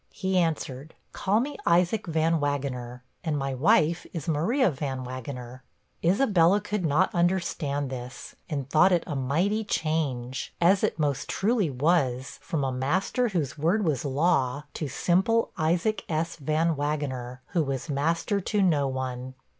He answered, 'call me Isaac Van Wagener, and my wife is Maria Van Wagener.' Isabella could not understand this, and thought it a mighty change, as it most truly was from a master whose word was law, to simple Isaac S. Van Wagener, who was master to no one.